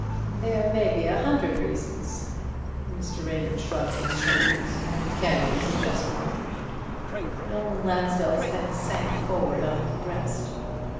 "There may be a hundred reasons." Mr. Raymond shrugged his shoulders. "Can you suggest one?" he asked. Roland Lansdell's head sank forward on his breast.